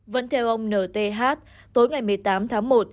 vẫn theo ông nth tối ngày một mươi tám tháng một